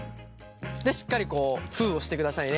でしっかりこう封をしてくださいね。